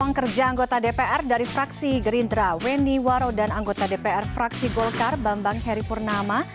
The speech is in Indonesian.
ruang kerja anggota dpr dari fraksi gerindra wendy waro dan anggota dpr fraksi golkar bambang heri purnama